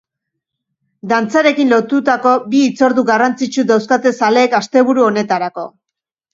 Dantzarekin lotutako bi hitzordu garrantzitsu dauzkate zaleek asteburu honetarako.